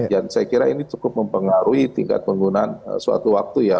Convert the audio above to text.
dan saya kira ini cukup mempengaruhi tingkat penggunaan suatu waktu ya